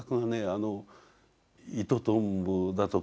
あのイトトンボだとかね